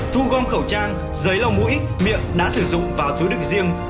thu gom khẩu trang giấy lồng mũi miệng đã sử dụng vào túi đựng riêng